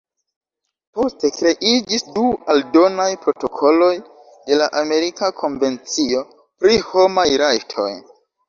Poste kreiĝis du aldonaj protokoloj de la Amerika Konvencio pri Homaj Rajtoj.